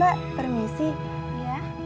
ya itu dong